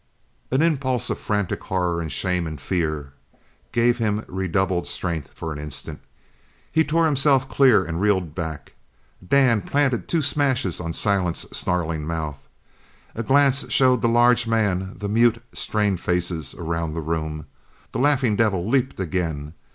An impulse of frantic horror and shame and fear gave him redoubled strength for an instant. He tore himself clear and reeled back. Dan planted two smashes on Silent's snarling mouth. A glance showed the large man the mute, strained faces around the room. The laughing devil leaped again.